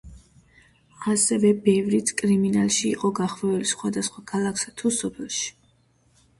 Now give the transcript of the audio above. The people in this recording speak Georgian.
ასევე ბევრიც კრიმინალში იყო გახვეული სხვადასხვა ქალაქებსა თუ სოფლებში.